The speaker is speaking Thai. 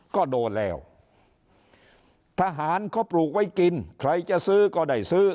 ก็โดนแล้วทหารเขาปลูกไว้กินใครจะซื้อก็ได้ซื้อ